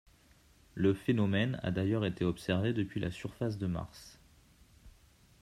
Le phénomène a d'ailleurs été observé depuis la surface de Mars.